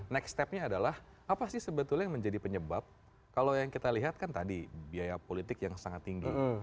next stepnya adalah apa sih sebetulnya yang menjadi penyebab kalau yang kita lihat kan tadi biaya politik yang sangat tinggi